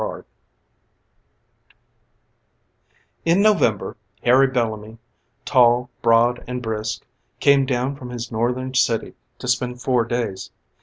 II In November Harry Bellamy, tall, broad, and brisk, came down from his Northern city to spend four days.